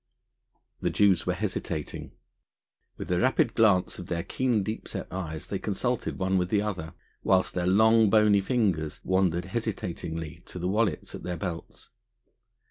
The Jews were hesitating. With a rapid glance of their keen, deep set eyes they consulted one with the other, whilst their long bony fingers wandered hesitatingly to the wallets at their belts.